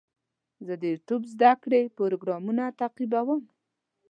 زه د یوټیوب زده کړې پروګرامونه تعقیبوم.